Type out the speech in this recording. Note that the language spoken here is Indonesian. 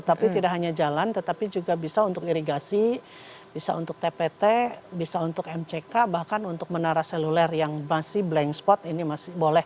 tapi tidak hanya jalan tetapi juga bisa untuk irigasi bisa untuk tpt bisa untuk mck bahkan untuk menara seluler yang masih blank spot ini masih boleh